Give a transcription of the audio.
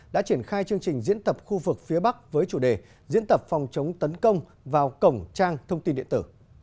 đã triển khai chương trình diễn tập khu vực phía bắc với chủ đề diễn tập phòng chống tấn công vào cổng trang thông tin điện tử